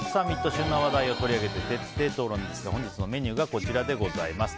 旬な話題を取り上げて徹底討論ですが本日のメニューがこちらです。